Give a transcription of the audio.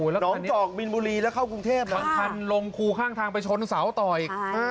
น้องจอกบินบุรีแล้วเข้ากรุงเทพบางคันลงครูข้างทางไปชนเสาต่ออีก